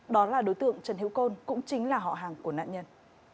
đó là đối tượng trần hiếu côn cũng chính là họ hàng của nạn nhân